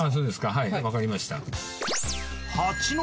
はいわかりました。